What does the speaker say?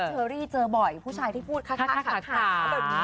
เธอรี่เจอบ่อยผู้ชายที่พูดค่า